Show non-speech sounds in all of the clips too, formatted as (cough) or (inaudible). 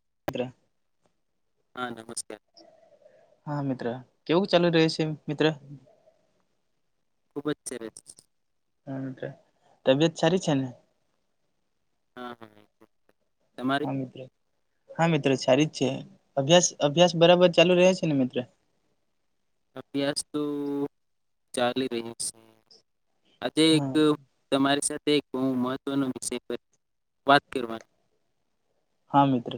(unintelligible) હા નમસ્કાર હા મિત્ર કેવું ચાલુ રહે છે મિત્ર ખુબ જ સરસ હા તબિયત સારી છે ને હા હા. તમારી હા મિત્ર હા મિત્ર છારી છે અભ્યાસ અભ્યાસ બરાબર ચાલુ રહે છે ને મિત્ર અભ્યાસ તો ચાલી રહ્યું છે આજે એક હા તમારી સાથે તેહું મહત્વનો વિષય વાત કરવાની હા મિત્ર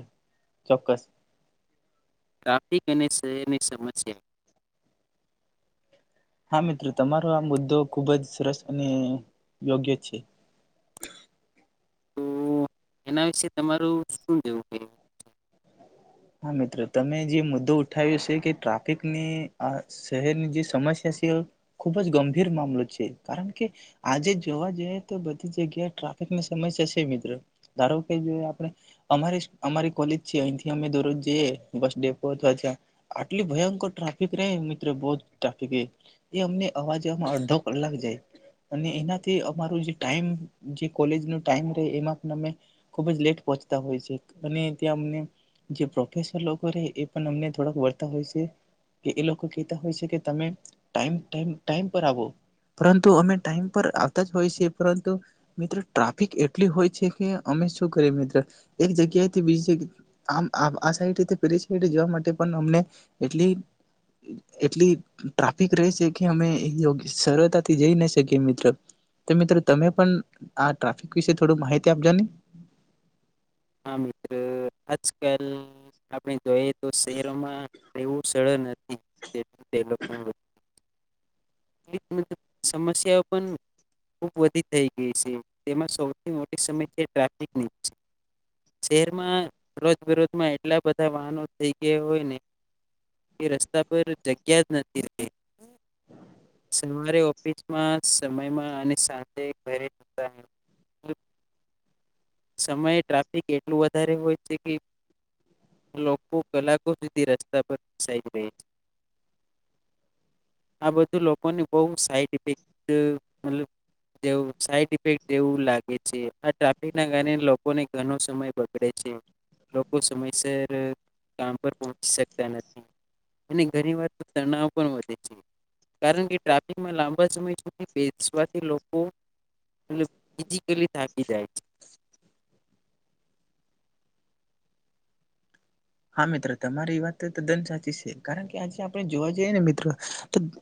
ચોક્કસ ટ્રાફિક અને શહેરની સમસ્યા હા મિત્રો તમારો આ મુદ્દો ખુબ જ સરસ અને યોગ્ય છે તો એના વિશે તમારું શું જેવું કે હા મિત્ર તમે જે મુદ્દો ઉઠાવ્યો છે કે ટ્રાફિકની આ શહેરની જે સમસ્યા છે ખુબ જ ગંભીર મામલો છે કારણ કે આજે જોવા જઈએ તો બધી જગ્યાએ ટ્રાફિકની સમસ્યા છે મિત્રો ધારો કે જે આપણે અમારી અમારી કોલેજ છે અહીંથી અમે દો જઈએ બસ ડેપો (unintelligible) આટલી ભયંકર ટ્રાફિક રેય મિત્ર બો જ ટ્રાફિક એ અમને અવાજવામાં અડધો કલાક જાય અને એનાથી અમાર જે ટાઈમ જે કોલેજ નો ટાઈમ એમાં પણ અમે ખુબ જ લેટ પહોચતા હોય છે અને ત્યાં અને જે પ્રોફેસર એ લોકો પણ અમને થોડાક વળતા હોય છે કે એ લોકો કતા હોય છે કે તમે ટાઈમ ટાઈમ પર આવો પરંતુ અ ટાઈમ પર આવતા જ હોય છે પરંતુ મ્રો ટ્રાફિક એટલી હોય છે કે અમે શું કરી મિત્ર એક જગ્યાથી બી આમ આ સાઈડ પેલી સાઈ જવા માટે પણ અમને એટલી એટલી ટ્રાફિક રહે છે કે (unintelligible) સરળતાથી જઈ ન શકીએ મિત્ર તો મિત્ર તમે પણ આ ટ્રાફિક વિશે થોડ માહિતી આપજો ને હા મિત્ર આજ કલ આપણી જોઈએ તો શહેરોમાં રેહવું સરળ નથી તે લોકો (inaudible) સમસ્યાઓ પણ ખૂબ વધી થઈ ગઈ છે તેમાં સૌથી મોટી સમસ્યા ટ્રાફિકની શહેરમાં રોજ બરોજમાં‌ એટલા બધા વાહનો થઈ ગયા હોયને કે રસ્તા પર જગ્યા જ નથી સવારે ઓફિસમાં સમયમાં અને સાંજે ઘરે સમયે ટ્રાફિક એટલું વધારે હોય છે કે લોકો કલાકો સુધી રસ્તા પર ફસાઈ રહે છે આ બધું લોકો ની બો સાઈડ ઇફેક્ટ મતબ સાઈડ ઇફેક્ટ જેવું લાગે છે આ ટ્રાફિક ના કારણે લોકોને ઘનો સમય બગડે છે લોકો સમયસર કામ પર પહોંચી શકતા નથી અને ઘણી વાર તણાવ પણ વધે છે કારણ કે ટ્રાફિકમાં લાંબા સમય સુધી બેસવાથી લોકો (inaudible) થાકી જાય છે હા તમારી વાત તદ્દન સાચી છે કારણ કે આજે આપણે જોવા જઈએ ને મિત્ર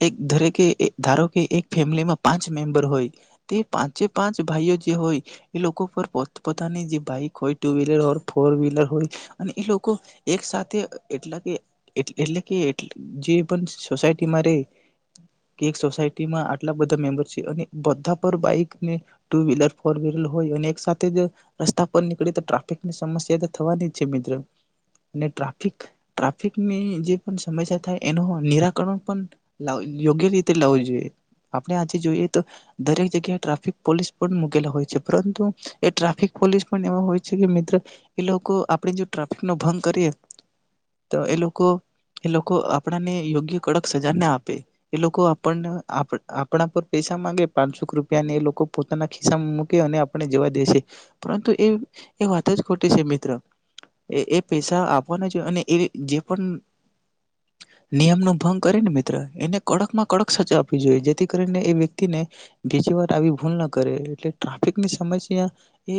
એક ધરેકે ધારો કે એક ફેમિલીમાં પાંચ મેમ્બર હોય તે પાંચે પાંચ ભાઈઓ જે હોય એ લોકો પર પોત પોતાની જે બાઈક હોય ટુ વ્હીલર હો ફોર વ્હીલર હોય અને એ લોકો એક સાથે એટલા કે એટલે કે જે પણ સોસાયટીમાં રેય કે એક સોસાયટીમાં આટલા બધા મેમ્બર છે અને બધા પર બાઈકને ટુ વ્હીલર ફોર વ્લર હોય અને એક સાથે રસ્તા પર નીકળે તો ટ્રાફિકની સમસ્યા તો થવાની જ છે મિત્ર ને ટ્રાફિક ટ્રાફિકની જે પણ સમસ્યા થાય એનું નિરાકરણ પણ યોગ્ય રીતે લાવવું જોઈએ આપણે આજે જોઈએ તો દરેક જગ્યાએ ટ્રાફિક પોલીસ પણ મૂકેલા હોય છે પરંતુ એ ટ્રાફિક પોલીસ પણ એ હોય છે કે મિત્ર એ લોકો આપણે જો ટ્રાફ ભંગ કરીએ તો એ લોકો એ લોકો આપણાને યોગ્ય કડક સજા ના આપે એ લોકો આપણને આપણા પર પૈસા માંગે પાંનસોક રૂપિયા ને એ લોકો પોતાના ખિસ્સામાં મૂકે અને આપણે જવા દેશે પરંતુ એ એ વાત જ ખોટે છે મિત્ર એ પૈસા આપવાના જોઈ અને એ જે પણ નિયમ નો ભંગ કરેને મિત્ર એને કડક માં કડક સજજ આપવી જોઈએ જેથી કરીને એ વ્યક્તિને બીજી વાર આવી ભૂલ ના કરે એટલે ટ્રાફિકની સમસ્યા એ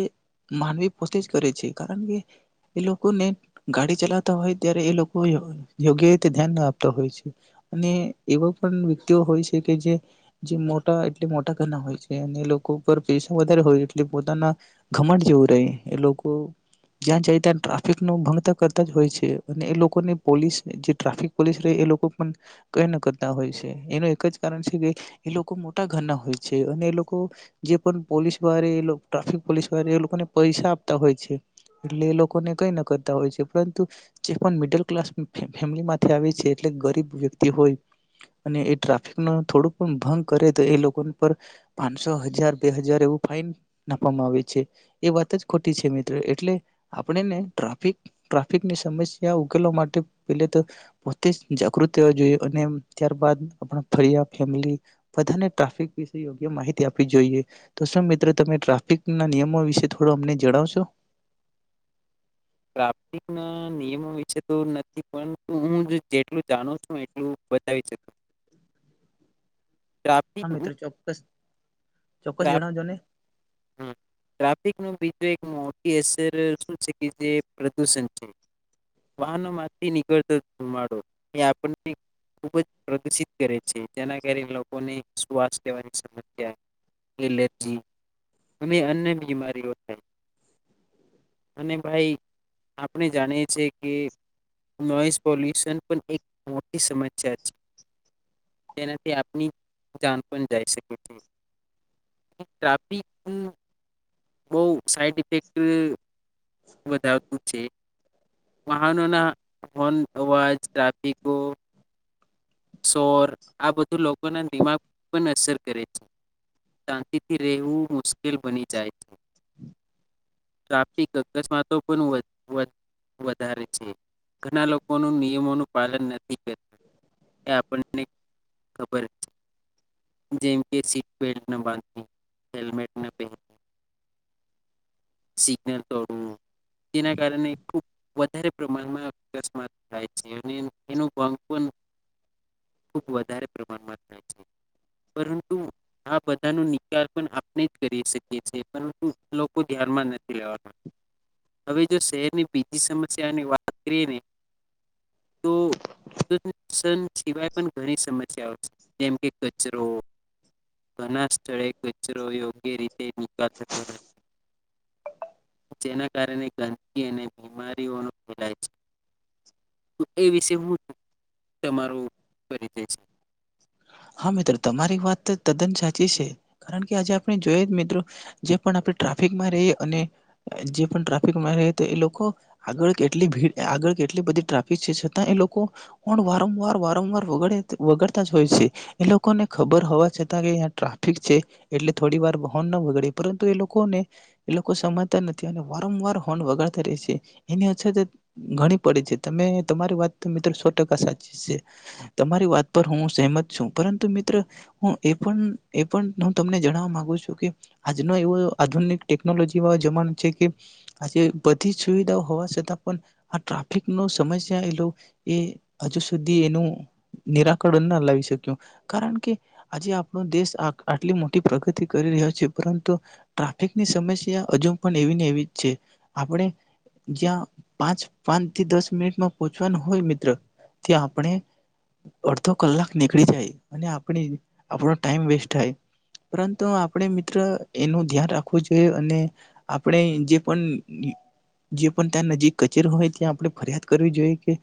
માનવી પોતે જ કરે છે કારણ કે એ લોકો ને ગાડી ચલાવતા હોય ત્યારે એ લોકો યોગ્ય રીતે ધ્યાન ના આપતા હોય છે અને એવા પણ વ્યક્તિઓ હોય છે કે જે મોટા એટલે મોટા ઘના હોય છે અને એ લોકો પર પૈસા વધારે હોય એટલે પોતાના ઘમટ જેવું રહે એ લોકો જ્યાં જાય ત્યાં ટ્રાફિક નો ભંગતા કરતા જ હોય છે અને એ લોકોને પોલીસ જે ટ્રાફિક પોલીસ રહે એ લોકો પણ કઈ ન કરતા હોય છે એનું એક જ કારણ છે કે એ લોકો મોટા ઘરના હોય છે અને એ લોકો જે પણ પોલીસ (unintelligible) ટ્રાફિક પોલીસ (unintelligible) એ લોકોને પૈસા આપતા હોય છે એટલે એ લોકો લોકોને કેઈના કરતા હોય પરુ જે મિડલ ક્લાસ ફેમિલી આવે છે એટલે ગરીબ વ્યક્તિ હોય અને એ ટ્રાફિક નો થોડ ભંગ કરે તો એ લોકો પર પાંનસો હજાર બે હજાર એવું ફાઈન નાખવામાં આવે છે એ વાત જ ખોટી છે મિત્ર એટલે આપણેને ટ્રાફિક ટ્રાફિકની સમસ્યા ઉકેલવા માટે પેલે તો પોતે જાગૃત થવા જોઈએ અને ત્યારબદ આપ (unintelligible) બાધાને ટ્રાફિક વિશે યોગ્ય માહિતી આપવી જોઈએ તો શું મિત્ર તમે ટ્રાફિક ના નિયમો વિશે થોડો અમને જણાવશો ટ્રાફિક ના નિયમો વિશે તો નથી પરંતુ હું જેટલું જાણું છું એટલું બતાવી શક હા મિત્રો ચોક્કસ ચોક્કસ જણાજને ટ્રાફિક ન બીજું એક મોટી હ શનશે કે જે (unintelligible) પ્રદૂષણ છે વાહનોમાંથી નીકળતો. ઘુમાડો એ આપણને ખૂબ જ પ્રદુષિત કરે છે જેના કારણે લોકોને શ્વાસ લેવાની સમસ્યા એલર્જી અન્ય બીમારીઓ થાય અને ભાઈ આપણે જાણીએ કે નોઈસ પોલ્યુશન પણ એક મોટી સમસ્યા છે તેનાથી આપની જાન પણ જાય શકે છે. બહ સાઈડ ઇફેક્ટ વધારતું છે વાહનોના હોન અવાજ ટ્રાફિકો સોર આ બધું લોકોના દિમાગ પણ અસર કરે છે શાંતિથી રહેવું મુશ્કેલ બની જાય છે પ્રાપતિક અકસ્માતો પણ વધારે છે ઘણા લોકોનું નિયમોનું પાલન નથી કરતું આપણને ખબર છે જેમ કે સીટ બેલ્ટ બાંધ હેમેટ પ સિગ્નલ તોડવું તેના કારણે ખુબ વધારે પ્રમાણમાં અકસ્માત થાય છે અને એનો ભંગ પણ ખુબ વધારે પ્રમાણમાં (inaudible) પરંતુ આ બધા નું નિકાલ પણ આપણે કરી શકીએ પરંતુ લોકો એમાં નથી લેવાતા. હવે જો શહેરની બીજી સમસ્યાની વાત કરી રે (inaudible) સન સિવાય પણ ઘણી સમસ્યાઓ છે. જેમ કે કચરો. ઘણા સ્થળે કચરો યોગ્ય રીતે નિકાલ થયો નથી. જેના કારણે ગંદકી અને બીમારી ઓનો ફેલાય છે. (inaudible) તો એ વિશે હું (inaudible) તમારો પરિચય છે? હા મિત્રો તમારી વાત તો તદ્દન સાચી છે. કારણ કે આજે આપણે જોઈએ મિત્રો જે પણ આપણે ટ્રાફિકમાં રહીએ અને જે પણ ટ્રાફિકમાં રએ તો એ લોકો આગળ કેટલી ભીડ આગળ કેટલી બધી ટ્રાફિક છે છતાં એ લોકો હોર્ન વારંવાર વારંવાર વગાડે તે વગાડ તાજ હોએ છે. એ લોકોને ખબર હોવા છતાં કે ટ્રાફિક છે એટલે થોડી વાર હોર્ન ના વગડે પરંતુ એ લોકોને એ લોકો સમાતા નથી અને વારંવાર હોર્ન વગાડતા રહે છે. એની અછત ઘણી પડે છે ત તમારી વાત મિત્ર સો ટકા સાચી છે. તમારી વાત પર હું સહેમત છું. પરંતુ મિત્ર હું એ પણ એ પણ હું તમને જણવા માગુ છું કે આજનો એવો આધુનિક ટેકનોલોજી વાડો જમાનો છે કે આજે બધી સુવિધાઓ હોવા છતાં પણ આ ટ્રાફિક નો સમસ્યા એલો એ હજુ સુધી એનું નીરા કળણ ના લાવી શક્યું. કારણ કે આજે આપણો દેશ આ આટલી મોટી પ્રગતિ કરી રયા છે પરંતુ ટ્રાફિકની સમસ્યા હજુ પણ એવી ને એવી જ છે. આપણે જ્યાં પાંચ પાન થી દસ મિનિટમાં પહોંચવાનું હોય મિત્ર ત્યાં આપણે અડધો કલાક નીકળી જાય અને આપણે આપણો ટાઈમ વેસ્ટ થાય પરંતુ આપણે મિત્ર એનું ધ્યાન રાખવું જોઈએ અને આપણે જે પણ જે પણ ત્યાં નજીક કચેરી હોય ત્યાં આપણે ફરિયાદ કરવી જોઈએ કે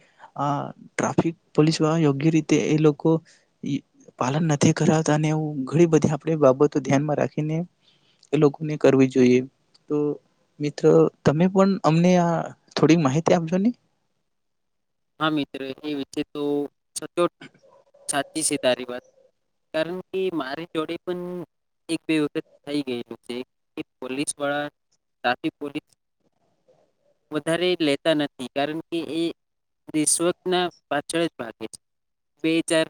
આહ ટ્રાફિક પોલીસ વાળ યોગ્ય રીત તે એ લોકો ઈ પાલન નથી કરાતા અને એવું ઘણી બધી આપણે બાબતો ધ્યાનમાં રાખીને એ લોકોને કરવી જોઈએ. તો મિત્રો તમે પણ અમને આ થોડીક માહિતી આપજો ને. હા મિત્ર એ વિશે તો છતો છાતી સે તૈયરી વાત. કારણ કે મારી જોડે પણ એક બે વખત થઈ ગયેલું છે કે પોલીસ વાળા ટ્રાફિક પોલીસ વધારે લેતા નથી કારણ કે એ રશ્વત ના પાછળ જ ભાગે છે. બે ચાર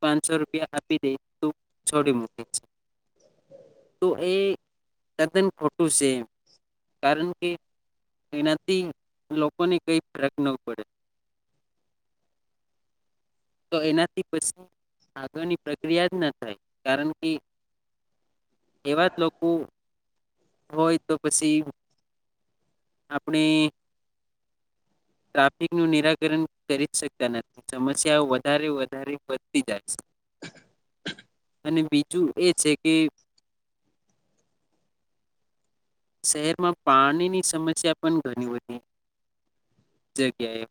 પાંચસો રૂપિયા આપી દે તો છોડી મૂકે છે. તો એ તદ્ન ખોટું છે કારણ કે એનાથી લોકોને કઈ ફરક ન પડે. તો એનાથી પછી આગળની પ્રક્રિયા જ ના થાય કારણ કે એવા જ લોકો હોય તો પછી આપણે ટ્રાફિકનું નિરાકરણ કરી જ શકતા નથી સમસ્યાઓ વધારે વધારે વધતી જાય છે અને બીજું એ છે કે શહેરમાં પાણીની સમસ્યા પણ ઘણી બધી જગ્યાએ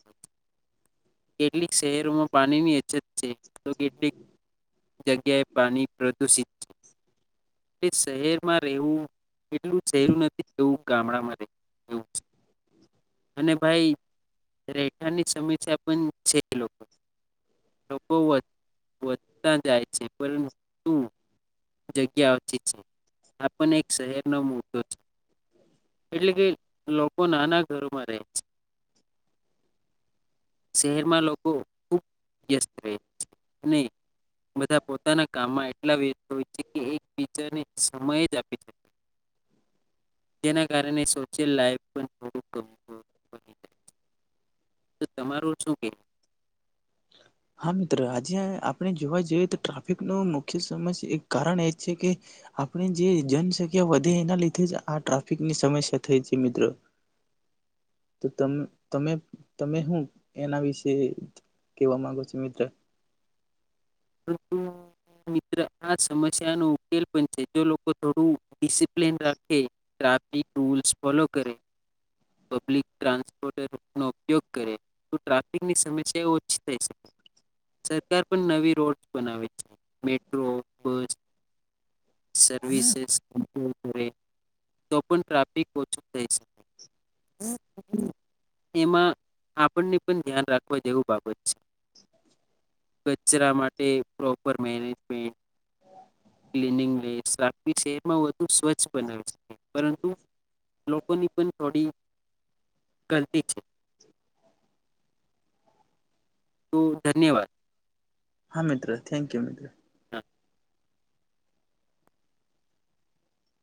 કેટલીક શહેરોમાં પાણીની અછત છે તો કેટલીક જગ્યાએ પાણી પ્રદુષિત છે. એ શહેરમાં રહેવું એટલું સહેલું નથી (inaudible) ગામડામાં (inaudible) અને ભાઈ રહેઠાની સમસ્યા પણ છે લોકો લોકો વ વ ત્યાં જાય છે પરંતું જગ્યા ઓછી છે. આપણને એક શહેરનો મુદદો છે. એટલે કે લોકો નાના ઘરોમાં રહે છે. શહેરમાં લોકો ખુબ વ્યસ્ત રહે છે અને બધા પોતાના કામમાં એટલા વ્યસ્ત હોય છે કે એક બીજા ને સમય જ આપી (inaudible) જેના કારણે સોશિયલ લાઇફ થોડુ (inaudible) તો તમારું શું કહેવું? હા મિત્રો આજે આપણે જોવા જઈએ તો ટ્રાફિકનું મુખ્ય સમસ્યા એક કારણ એ જ છે કે આપણે જે જનસંખ્યા વધે એના લીધે જ આ ટ્રાફિકની સમસ્યા થઈ છે મિત્રો. તો તમ તમે તમે હું એના વિશે કેવા માંગો છો મિત્ર. (inaudible) મિત્ર આ સમસ્યા નું ઉકેલ પણ છે જો લોકો થોડું ડિસિપ્લિન રાખે ટ્રાફિક રુલ્સ ફોલો કરે, પબ્લિક ટ્રાસપોર્ગ નો ઉપયોગ કરે તો ટ્રાફિક ની સમસ્યા ઓછી થઈ શકે. સરકાર પણ નવી રોડ બનાવે છે. મેટ્રો, બસ સર્વિસીસ ઉપયોગ કરે તો પણ ટ્રાફિક ઓછું થઈ શકે. (inaudible) એમાં આપણને પણ ધ્યાન રાખવા જેવ બાબત છે. કચરા માટે પ્રોપર મેનેજમેન્ટ, ક્લીનિન (inaudible) શહેરમાં વધુ સ્વચ્છ બનાવે છે પરંતુ લોકોની પણ થોડી ગલતી છે. તો ધન્યવાદ. હા મિત્ર થેન્ક યુ મિત્ર.